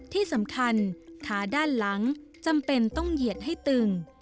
ที่สำคัญขาด้านหลังจำเป็นต้องเหยียดให้ตึง